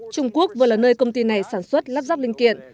trung quốc vừa là nơi công ty này sản xuất lắp ráp linh kiện